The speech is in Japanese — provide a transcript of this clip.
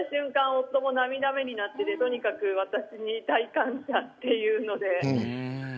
夫も涙目になってとにかく私に大感謝というので。